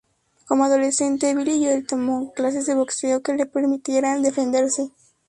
Como adolescente, Billy Joel tomó clases de boxeo que le permitieran defenderse.